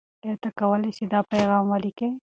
آیا ته کولای سې دا پیغام ولیکې؟